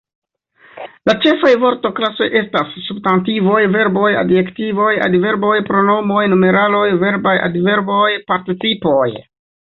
La ĉefaj vortklasoj estas: substantivoj, verboj, adjektivoj, adverboj, pronomoj, numeraloj, verbaj adverboj, participoj.